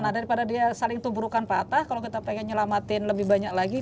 daripada dia saling tumbuhkan patah kalau kita ingin menyelamatkan lebih banyak lagi